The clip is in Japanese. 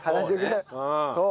そう。